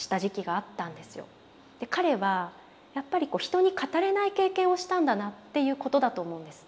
彼はやっぱり人に語れない経験をしたんだなっていうことだと思うんです。